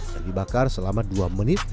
kayu bakar selama dua menit